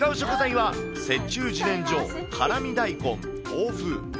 使う食材は、雪中じねんじょ、辛み大根、豆腐。